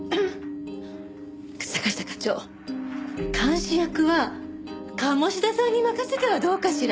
坂下課長監視役は鴨志田さんに任せてはどうかしら？